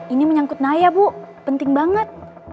ini menyangkut naya bu penting banget